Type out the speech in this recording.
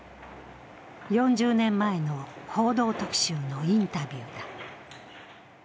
４０年前の「報道特集」のインタビューだ。